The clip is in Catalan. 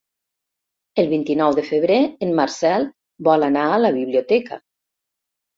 El vint-i-nou de febrer en Marcel vol anar a la biblioteca.